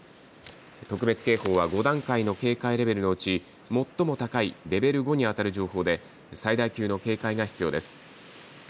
特別警報は５段階の警戒レベルのうち最も高いレベル５にあたる情報で最大級の警戒が必要です。